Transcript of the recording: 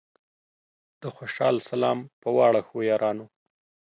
د خوشال سلام پۀ واړه ښو یارانو